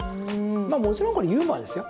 まあ、もちろんこれ、ユーモアですよ。